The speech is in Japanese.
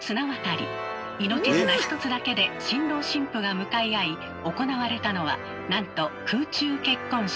命綱一つだけで新郎新婦が向かい合い行われたのはなんと空中結婚式。